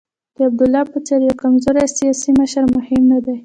د عبدالله په څېر یو کمزوری سیاسي مشر مهم نه دی.